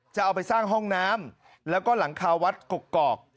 จะเอาไปสร้างห้องน้ำหลังคาวัดตกกอก